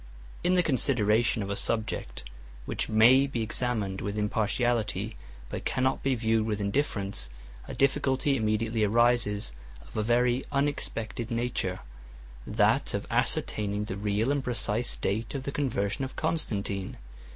In the consideration of a subject which may be examined with impartiality, but cannot be viewed with indifference, a difficulty immediately arises of a very unexpected nature; that of ascertaining the real and precise date of the conversion of Constantine.